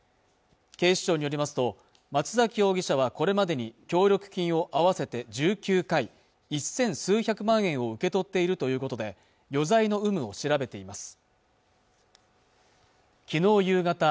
警視庁によりますと松崎容疑者はこれまでに協力金を合わせて１９回一千数百万円を受け取っているということで余罪の有無を調べています